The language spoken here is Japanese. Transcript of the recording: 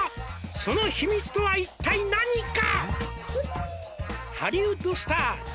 「その秘密とは一体何か？」